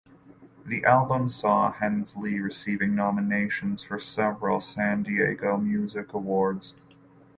The album saw Hensley receiving nominations for several San Diego Music Awards.